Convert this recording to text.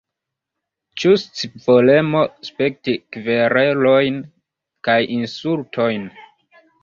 Ĉu scivolemo spekti kverelojn kaj insultojn?